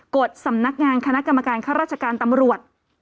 กฎสำนักงานคณะกรรมการข้าราชการตำรวจ